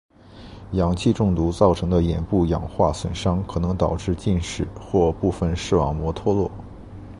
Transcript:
氧气中毒造成的眼部氧化损伤可能导致近视或部分视网膜脱落。